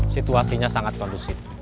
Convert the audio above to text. situasinya sangat kondusif